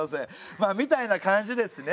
まあみたいな感じですね。